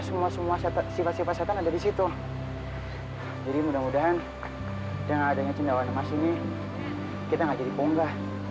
sampai jumpa di video selanjutnya